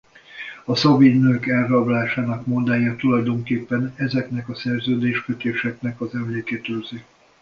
A szabin nők elrablásának mondája tulajdonképpen ezeknek a szerződéskötéseknek az emlékét őrzi.